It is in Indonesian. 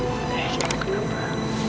ini aku kabar